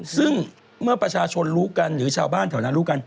ซึ่งเมื่อประชาชนรู้กันหรือชาวบ้านแถวนั้นรู้กัน